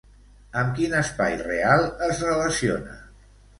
Amb quin espai real es relaciona?